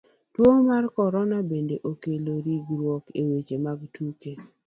Tuo mar korona bende, okelo ringruok e weche mag tuke.